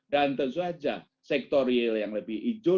dan tentu saja sektor real yang lebih hijau